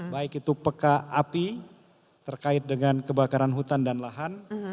baik itu peka api terkait dengan kebakaran hutan dan lahan